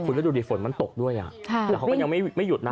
แล้วดูดิฝนมันตกด้วยอ่ะแต่เขาก็ยังไม่หยุดนะ